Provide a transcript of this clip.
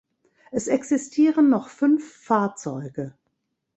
Es existieren noch fünf Fahrzeuge.